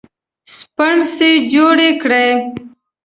سپڼسي جوړ کړي